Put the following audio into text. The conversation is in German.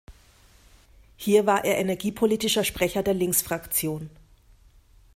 Hier war er energiepolitischer Sprecher der Linksfraktion.